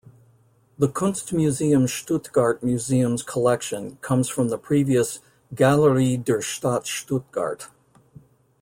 The Kunstmuseum Stuttgart museum's collection comes from the previous "Galerie der Stadt Stuttgart".